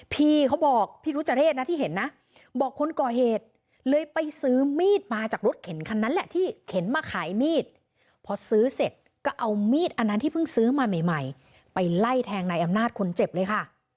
พี่เขาบอกพี่รุจเรศนะที่เห็นนะบอกคนก่อเหตุเลยไปซื้อมีดมาจากรถเข็นคันนั้นแหละที่เข็นมาขายมีดพอซื้อเสร็จก็เอามีดอันนั้นที่เพิ่งซื้อมาใหม่ใหม่ไปไล่แทงนายอำนาจคนเจ็บเลยค่ะ